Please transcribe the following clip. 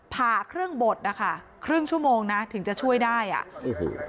ผ่าครึ่งบดนะคะครึ่งชั่วโมงนะถึงจะช่วยได้อ่ะโอ้โห